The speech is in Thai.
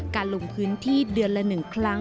การลงพื้นที่เดือนละหนึ่งครั้ง